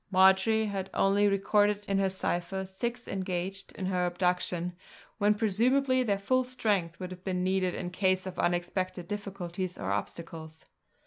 Marjory had only recorded in her cipher six engaged in her abduction, when presumably their full strength would have been needed in case of unexpected difficulties or obstacles.